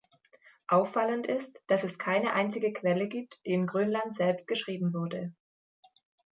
Auffallend ist, dass es keine einzige Quelle gibt, die in Grönland selbst geschrieben wurde.